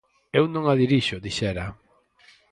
"Eu non a dirixo", dixera.